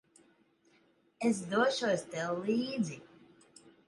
Es došos tev līdzi.